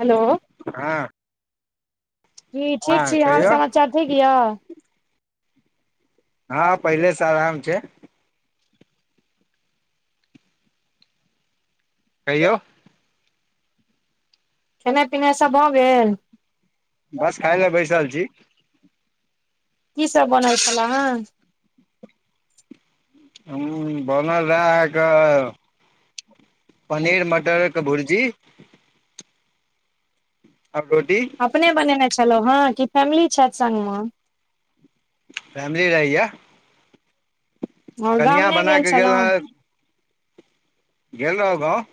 Hello हँ जी ठीक हँ छी हाल कहियौ समाचार ठीक य? हँ पहिले से आराम छैय। कहियौ। खेनाइ पिनाइ सब भऽ गेल? बस खााय ल बैसल छी। की सब बनल छला ह? हूं बनल रहै अहाँके पनीर मटरके भुर्जी। अब रोटी। अपने बनेने छलहुँ हँं कि फैमिली छथि संगमे? फैमिली रहैया। ह गाम कनिया नहि बना गेल के छलहुँ? रह गेल रहव गाँव।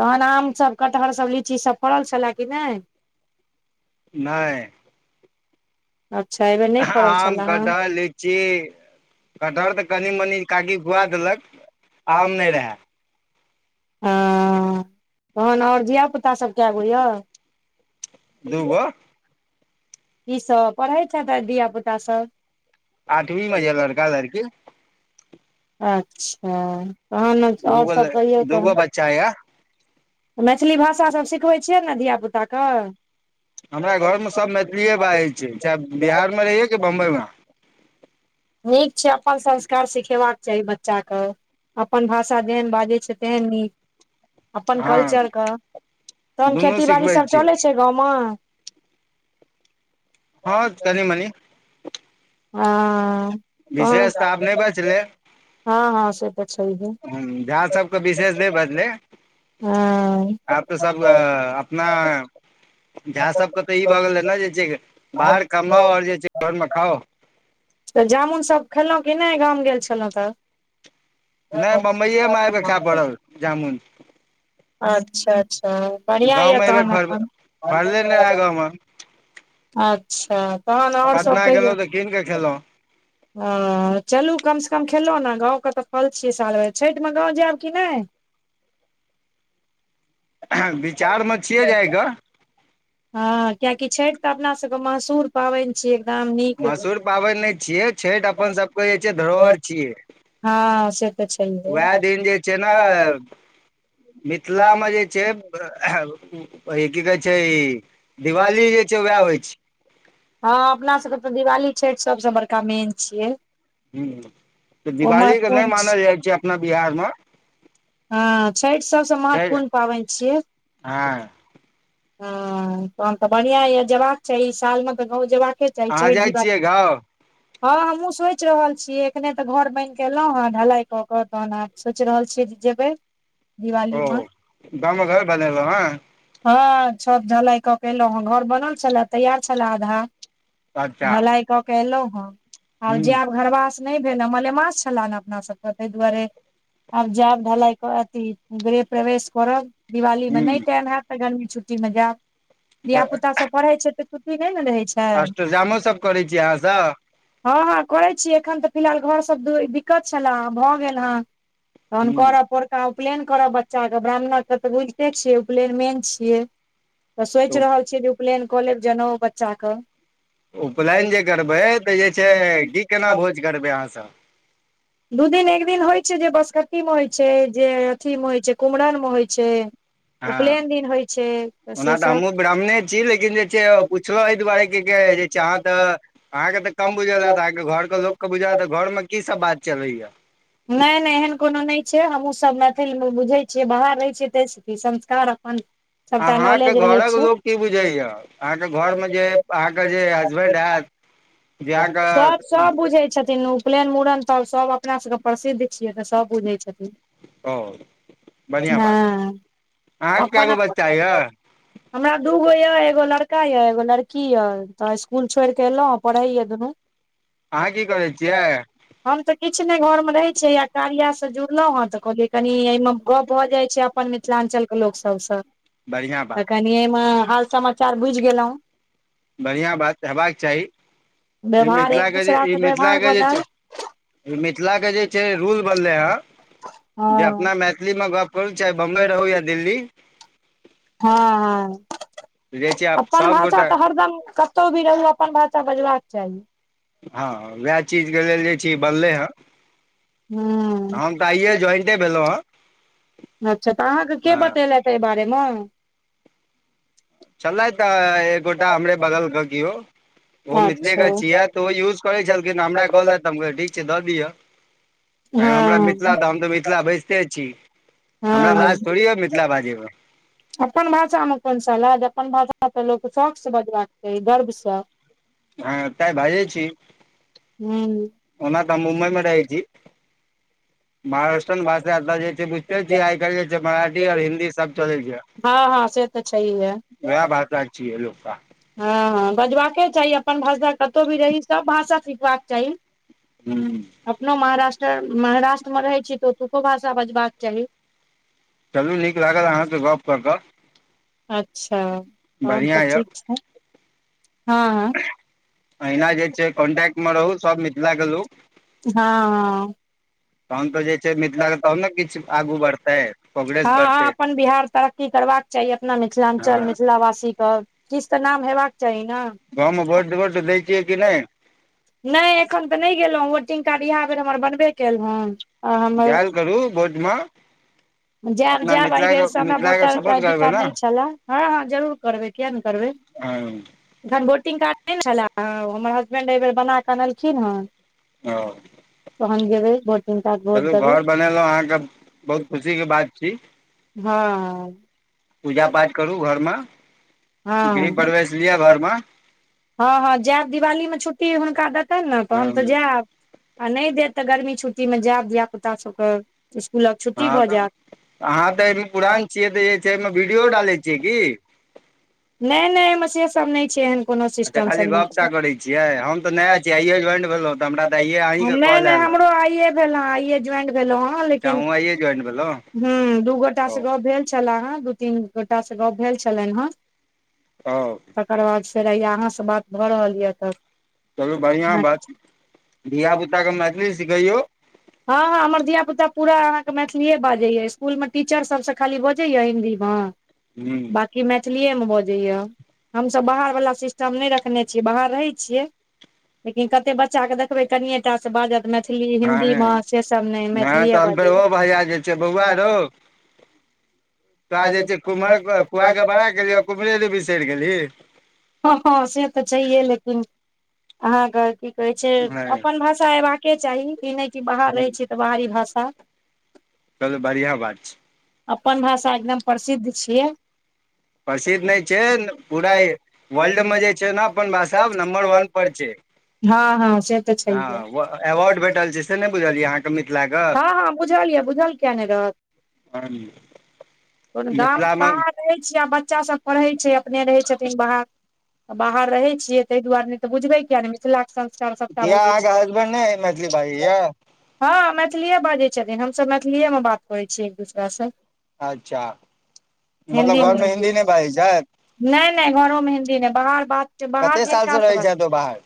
तहन आमसभ कटहरसभ लीचीसभ फड़ल छला कि नहि? नहि अच्छा, एहि बेर नहि फड़ल छल आम ह। कटहर लीची कटहर तऽ कनि मनि काकी खुआ देलक आम नहि [unintelligible] रहए हँ, तहिना आओर धिया-पुता सभ कऽ गो। दूगो ई सभ पढ़ै छै तऽ धियापुता सभ आठमीमे यै लड़का लड़की अच्छा तहन आओर दूगो सभ कहियौ दूगो तब बच्चा यऽ मैथिली भाषा सभ सिखबै छियै ने धियापुताकेँ हमरा घरमे सभ मैथिलीए बाजै छै, चाहे बिहारमे रहियै कि बम्बइमे नीक छै, अपन संस्कार सिखेबाक चाही बच्चाकेँ अपन भाषा जेहन बाजै छै तेहन नीक अपन हँ कल्चरके तहन दुनू खेतीबाड़ी सिखबै सभ छियै चलै छै गाँवमे हँ तनि मनी हँ विशेषता आब नहि बचलै हँ हँ से तऽ छैहे हँ, जहि सभके विशेष नहि बदले हँ आब तऽ सभ अपना झ सभके तऽ ई भऽ गेल रहै ने जे बाहर कमाओ आओर घरमे खाओ तऽ जामुनसभ खेलहुँ की नहि? गाम गेल छलहुँ तऽ नहि, बम्बइएमे आबि कऽ खाय पड़ल जामुन। अच्छा अच्छा, बढ़िआँ गाँव यऽ तहन एखन ह अच्छा तहन आओर सभ पटना कहियौ गेलहुँ तऽ कीन कऽ खेलहुँ हँ, चलू कमसँ कम खेलहुँ ने। गामके तऽ फल छियै। सालभरि छठिमे गाँव जायब कि नहि? विचार मे छियै जाइक हँ किएकि छठि तऽ अपना सभके मशहूर पाबनि छियै, एकदम नीक। छठि अपना सभके पाबनि छै, ई अपना सभके धरोहर छै। हँ से तऽ उएह छैहे दिन जे छै ने, मिथिलामे जे की कहै छै, ई दिवाली जे छै वएह होइ छै। हँ, अपना सभके तऽ दिवाली आ छठि सभसँ बड़का मेंन छियै। हूँ, तऽ अपना बिहारमे ओ दिवालीके ओतेक नहि महत्वपूर्ण मानल छै जाइ छै। हँ छठि सभसँ छै महत्वपूर्ण पाबनि छियै। हँ हँ तहन तऽ बढ़िआँ यऽ। एहि साल तऽ गाँव जयबाक चाही। अहाँ चइ जाइ छै। छियै गाँव [unintelligible] हँ, हमहूँ सोचि रहल छियै। एखने तऽ घर बनाकऽ एलहुँ, ढलाई कऽ के। तहन आ सोचि रहल छियै जेबै दिवालीमे। बनेने [unintelligible] हँ हँ छत ढलाई कऽ के एलहुँ। घर बनल छल, तैयार छल आधा। अच्छा ढलैइ कऽ के एलहुँ हँ आब ह जायब घरबास नहि भेल ह मले माछ छलनि ह अपना सभके ताहि दुआरे आब जाब ढलाइ हेतै, आथि गृह प्रवेश करब। दिवालीमे नहि ह टाइम हेतै तऽ गरमी छुट्टीमे जायब। तऽ धियापुता सभकेँ पढ़ै छै तऽ छुट्टी नहि ने रहय छै अष्ट जामो सभ करै छी अहाँसँ हँ हँ, करैत छी। एखन तऽ फिलहाल घरके सभ दिक्कत छलै, से भऽ गेल हँ। तहन करब। ह पोरकाके उपनयन करब। बच्चाके ब्राह्मणके तऽ बुझिते छियै, उपनयन मेन छियै तऽ सोचि रहल छियै जे उपनयन कऽ लेब, जनेऊ बच्चाकेँ। उपनयन जे करबै तऽ जे छै, की केना भोज करबै अहाँसभ? दू दिन एक दिन होइत छै जे बसकट्टीमे होइत छै जे अथीमे होइत छै कुमहरममे होय छै हँ उपनयन दिन होइ छै से ओना तऽ सब हमहूँ ब्राहमने छी लेकिन जे छै पुछलहुँ एहि दुआरे कि जहाँ तऽ अहाँके तऽ कम बुझलत अहाँके घर के लोक के बुझल घर मे की सब बात चलैया नहि नहि एहन कोनो नहि छै हमहूँसभ मैथिलमे बुझैत छियै बाहर रहैत छियै ताहिसँ की संस्कार अपन सबटा अहाँके नॉलेज रहै घरक छै लोक की बुझैया अहाँके घरमे जे अहाँके जे हसबेंड हायत सब सब बुझै छथिन ओ उपनयन मूड़न त सब अपना सबके प्रसिद्ध छियै तऽ सब बुझै छथिन ओ बढ़िआँ बात हँ - अहाँके कए अपन गो बच्चा यए हमरा दूगो ये एगो लड़का ये एगो लड़की ये तऽ स्कुल छोड़िके एलों पढ़इए दुनू अहाँ की करै छियै हम तऽ किछु नहि घरमे रहैत छियै आा कारियासँ जुड़लहुँ हेँ तऽ कहलियै कनि एहिमे गप्प भऽ जाइत छै अपन मिथिलाञ्चलके लोक सबसँ बढ़िआँ तऽ बात कनि एहिमे हाल समाचार बुझि गेलहुँ बढ़िआँ बात हेबाक चाही ई व्यवहार एक मिथिलाके जे दूसरा ई से व्यवहार मिथिलाके बनल जे मिथिलाके जे छै रूल बनलै हन जे हँ अपना मैथिलीमे गप करू चाहे बम्बई रहू या दिल्ली हँ ह जे छै आब अपन भाषा सभगोटा तऽ हरदम क - कतहु भी रहु अपन भाषा बजबाक चाहि हँ उएह चीज के लेल जे छै बनलै हँ ह हम तऽ आइे ज्वाइन भेलहुँ हँ अच्छा तऽ अहाँके के हँ बतेलेथ एहि बारेमे छलैथ तऽ एकगोटा हमरे बगलके किओ ओ मिथिले के अच्छा छियह त ओ यूज करै छलखिन हमरा कहलेथ ठीक छै द दिअ एयमे हमरा हँ मिथिला तऽ हम तऽ मिथिला बाजिते छी हमरा हँ लाज थोड़ी होयया मिथिला बाजयमे अपन भाषामे कोन सलाह अपन भाषा तऽ लोक शौकसँ बजबाक चाही गर्वसँ हँ ते बाजै छी हूँ ओना तऽ हम मुम्बई मे रहै छी महाराष्ट्रन भाषा तऽ जे छै बुझते छियै आइ कलहि जे छै मराठी आओर हिन्दी सब चलै छै हँ हँ से त छैहे वएह भषा छी य लोकोकें हँ हँ बजबाके चाही अपन भाषा कतहु भी रही सभ भाषा सिखबाक चाही ह अपनो महाराष्ट्र महाराष्ट्रमे रहै छी तऽ ओतुको भाषा बजबाक चाही चलू नीक लागल अहाँके गप कऽ कऽ अच्छा आओर बढ़िआँ तऽ यए ठीक छै हँ हँ अहिना जे छै कॉन्टेक्ट मे रहू सब मिथिला कें लोक हँ [unintelligible] तहन तऽ जे छै मिथिलाे तब ने किछु आगू बढ़तै हँ कोग्रेस हँ बढ़तै अपन बिहार तरक्की करबाक चाही अपना मिथिलाञ्चल हँ मिथिला वासी के किछु तऽ नाम हेबाक चाही ने गांव मे वोट ओड द छियै कि नहि नहि एखन तऽ नहि गेलहुँ वोटिंग कार्ड इएह बेर हमर बनबे कयल हन आ हमर जायल करू वोटमे जायब जायब एहिबेरसँ हमरा वोटर सपोर्ट आई डी करबै कार्ड ने नहि छलए हँ हँ जरूर करबै किएक नहि करबै हँ - एखन वोटिंग कार्ड नहि ने छलए हमर हसबैंड एहि बेर बना कऽ अनलखिन हन ओ तहन जेबै वोट कार्ड चलू देबै घर बनेलहुँ अहाँके बहुत खुशीके बात छी पूजा हँ पाठ करू घर मे गृह हँ प्रवेश लिअ घरमे हँ हँ जायब दिवाली मे छुट्टी हुनका देतनि ने तऽ हँ हम तऽ जायब आ नहि देत तऽ गर्मी छुट्टीमे जायब धियापुता छै तऽ स्कुलक छुट्टी हँ भऽ तऽ जायत अहाँ तऽ एहिमे पुरान छियै तऽ जे छै एहिमे वीडियो डालै छियै की नहि नहि एहिमे से सब नहि छै एहन कोनो अच्छा सिस्टम खाली सब नहि गपटा करैत छियै हम तऽ नया छियै आइये ज्वाइन भेलहुँ तऽ हमरा तऽ आइए छै अहींके नहि कॉल नहि एलऽ हमरो आइये आइये ज्वाइन भेलु हन अच्छा लेकिन अहूँ आइये ज्वाइन भेलहुँ हूँ दू गोटा ओ से गप्प भेल छलाह हें दू तीन गोटा से गप भेल छलनि हें ओ तकर बाद फेर हैये अहाँसँ बात भऽ रहल ये तब चलू बढ़ियाँ बात धिआपुताके मैथिली सिखैयौ हँ हँ हमर धिया पुता पूरा अहाँ के मैथिलीेये बाजैये स्कूल मे टीचर सब सँ खाली बज जैये हिन्दीमे हूँ कि मैथिलीएमे बजैए हमसभ बाहरवला सिस्टम नहि रखने छियै बाहर रहै छियै लेकिन कते बच्चा के देखबै कनिये टा से बाजत मैथिली मैथिली हँ हिन्दीमे से सब नहि मैथिलीए तहन फेर ओ बाजैये भैया जे छै बौआ तो आ जे छै कुम्हर कुआके बड़ाइ केलही आ कुम्हरे के बिसरि गेलही हँ हँ से तऽ छैहे लेकिन अहाँके की कहै छै हँ अपन भाषा एबाक के चाही ई नहि कि बाहर रहै छियै तऽ बाहरी भाषा चलु बढ़ियाँ बात छै अपन भाषा एकदम प्रसिद्ध छियै प्रसिद्ध नहि छै पूरा वर्ल्ड मे जे छै ने अपन भाषा आब नम्बर वन पर छै हँ हँ से तऽ छैहे हँ एवार्ड भेटल छै से नहि बुझलियै अहाँ हँ हँ बुझल यऽ बुझल किएक नहि रहत हँ कोनो गाम मिथिलामे बाहर रहै छियै आ बच्चा सभ पढ़ै छै अपने रहै छथिन बाहर बाहर रहै छियै ताहि दुआरे नै तऽ बुझबै किये नहि मिथिलाके संस् किये अहाँके हसबैंड नै मैथिली बाजै ये हँ मैथिलिए बाजै छथिन हमसभ मैथिलीएमे बात करै छियै एक दोसरासँ अच्छा मतलब घरमे हिन्दी नहि बाजै छथि नहि नहि घरो हिंन्दी नहि बाहर बात बाहर कते सालसँ जिनका से रहै बात, छथि ओ बाहर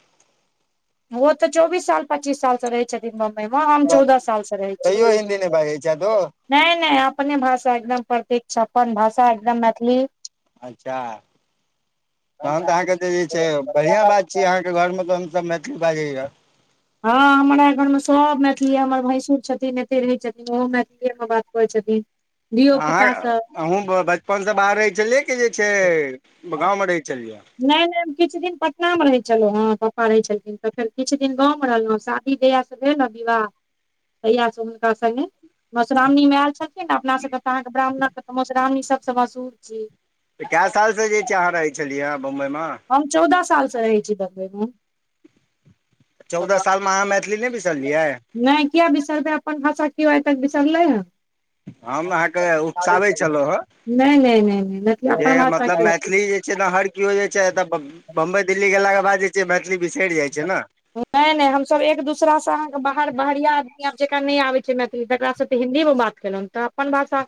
ओ तऽ चौबीस साल पच्चीस सालसँ रहै छथिन बम्बइ मे हम चौदह साल सँ रहै तैयो छियै हिन्दी नहि बाजै छथि ओ नहि नहि अपने भाषा एकदम प्रतीक छै अपन भाषा एकदम मैथिली अच्छा तहन तऽ अहाँके तऽ जे छै बढ़ियाँ बात छी अहाँ के घर मे तहन सब मैथिली बाजैये हँ हमरा घरमे सब मैथिली हमर भैंसुर छथिन एतै रहै छथिन ओहो मैथिलीएमे बात करै छथिन धियो तऽ पुता अहाँ सब अहूँ बचपनसँ बाहर रहै छलियै कि जे छै गाँवमे रहै छलियै नहि नहि हम किछु दिन पटना मे रहै छलहुँं हें पप्पा रहै छलखिन तऽ फेर किछु दिन गाँवमे रहलौं शादी जहिया सँ भेलै नऽ विवाह तहिया सँ हुनका संगे मधुश्रावणी मे आयल छलखिन नऽ अपना सबके तऽ अहाँके ब्राह्मणक मधुश्रावणी सबसँ मशहूर छियै तऽ कए सालसँ जे छै अहाँ रहै छलियै हँ बम्बइमे हम चौदह सालसँ रहै छी बम्बइमे चौदह सालमे अहाँ मैथिली नहि बिसरलियै नहि किये बिसरबै अपन भाषा कियो आइ तक बिसरलै हम अहाँके उकसाबै छलौं हें नहि नहि नहि नहि मैथिली जे अपन भाषा मतलब के मैथिली जे छै न हर कियो जे छै एतऽ बम्बई दिल्ली गेलाके बाद जे छै मैथिली बिसरि जाइ छै ने नहि नहि, हमसभ एक दोसरासँ अहाँकेँ बाहर बहिरिया आदमी आब। जेकरा नहि आबै छै मैथिली, तकरासँ तऽ हिन्दीमे बात। केलहुँ तऽ अपन भाषा,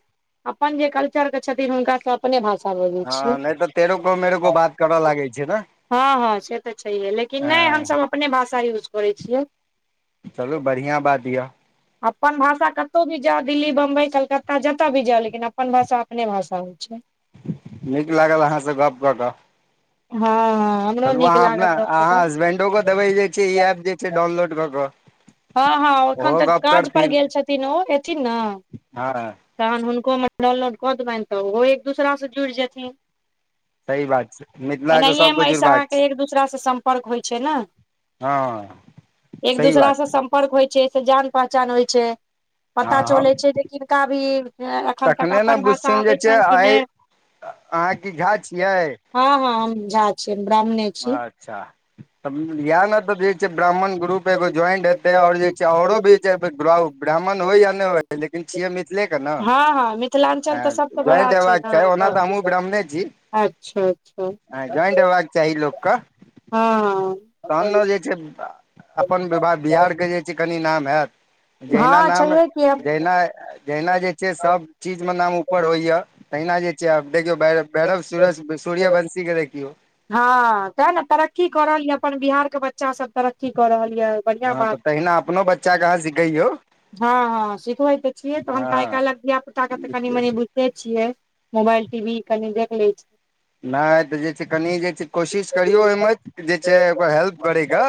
अपन जे कल्चर छै, हुनका सभ। अपने भाषा बोले हँ नहि तऽ तेरो गो मेरगो बात करऽ लागैत छै ने। हँ हँ, से तऽ छैहे। लेकिन नहि, हँ हमसभ अपने भाषा यूज करै छियै। चलू बढ़िआँ बात यऽ। अपन भाषा कतहु भी जाउ दिल्ली, बम्बई, कलकत्ता जतय भी जाउ, लेकिन अपन भाषा अपने भाषा होइत छै। नीक लागल अहाँसँ गप कऽ कऽ। हँ हँ चलू अहाँ अपना अहाँ हसबेंडो देबै जे छै, ई एप जे छै डाउनलोड कऽ के। हँ हँ एखन तऽ काज पर गेल छथिन ओ एयथिन ने। हँ तहन हुनकोमे डाउनलोड कऽ देबनि तऽ ओहो एक दोसासँ जुड़ि जेथिन। सही बात छै मिथिलाके सभके एनाहिएमे एहिसँ जुड़बाक अहाँकेँ छै एक दूसरासँ सम्पर्क होइ छै ने। हँ एक सही दूसरा बात सम छै। सम्पर्क होइ छै से जान पहचान होइ छै, हँ पता हँ चलै छै जे किनका भी। हँ, एखन तक तखने ने अपन भाषा बुझथिन जे आबै छै छनि कि आइ नहि। अहाँ की झा छियै हँ हँ, हम झा छियै, ब्राह्मण। अच्छा तऽ इहे ने तऽ जे छै ब्राह्मण ग्रुप एगो ज्वाइंट। आओर जे छै, औरो भी ब्राह्मण होय या नहि हो, लेकिन छियै मिथिले के ने। हँ हँ मिथिलाञ्चल तऽ हँ सबसँ बड़ा ज्वाइंट आबै के ने छै, ओना तऽ अहाँके हमहूँ ब्राह्मणे छी। अच्छा अच्छा ह ज्वाइंट हेबाक चाही लोकके। हँ तहन ने जे छै, अपन बिहारके जे छै कनि नाम हैत। जहिना हँ नाम, छैहे कि जहिना जहिना जे। से सभ चीजमे नाम ऊपर होइ छै, तहिना जे छै आब। देखिऔ भैरव सू सूर्यवंशीकेँ देखिऔ। हँ, ते ने तरक्की कर रहल य अपन बिहारके बच्चा। बच्चा तरक्की कऽ रहल यऽ, बढ़िआँ हँ तऽ बात। तहिना अपनो बच्चाके अहाँ सिखैयौ हँ हँ, सिखबै तऽ छियै तहन ताहि कहलक धियापुता के तऽ कनी हँ मनी। बुझ छियै मोबाइल टी वी कनि देख ले छीय। नहि तऽ जे छै कनि जे छै। कोशिश करियौ ओहिमे जे छै, ओकरा हेल्प करैके।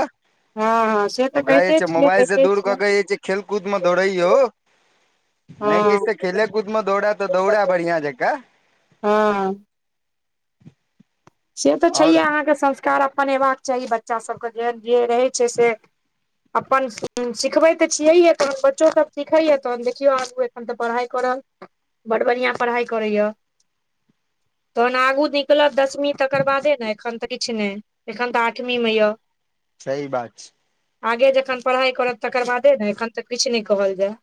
हँ हँ से तऽ ओकरा जे कहिते छै छियै मोबाइल सँ देखै दूर कऽ के छियै जे छै। खेलकूदमे दौड़ै यौ नहि किछु हँ तऽ। खेले-कूदमे दौड़ा तऽ दौड़ा बढ़ियाँ जकाँ। हँ से तऽ छैहे, आओर अहाँके संस्कार अपन अयबाक चाही बच्चा सभके जेहन जे रहै छै से। अपन सिखबै तऽ छियै, तह बच्चो सभ सिखैया तहन देखियौ आ। हम तऽ पढ़ाई करब, बड़ बढ़ियाँ पढ़ाई करैया। तहन आगू निकलब दसमी। तकर बादे ने एखन तऽ किछु नहि, एखन तऽ आठमीमे य। सही बात छै आगे जखन पढ़ाई करत तकर बादे ने, एखन तऽ किछु नहि कहल जाय।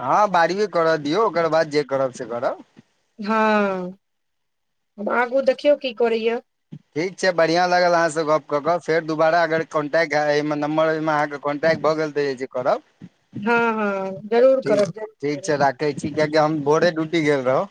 हँ बारहवीं कऽ दियौ, ओकर बाद जे करब से करब। हँ आगू देखियौ की करैया ठीक छै, बढ़ियाँ लागल आहाँ सँ गप कऽ। फेर दोबारा कन्टैक्ट हए एहि नम्बर मे आहाँ केँ। कन्टैक्ट भऽ गेल तऽ एतय करब। हँ हँ जरूर ठीक करब ज ठीक छै राखे छी कियाकि हम भोरे ड्यूटी गेल रहौ